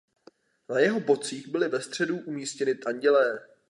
Na jeho bocích byly ve středu umístění andělé.